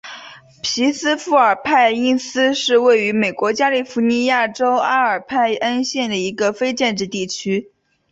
皮斯富尔派因斯是位于美国加利福尼亚州阿尔派恩县的一个非建制地区。